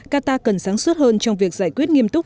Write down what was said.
qatar cần sáng suốt hơn trong việc giải quyết nghiêm túc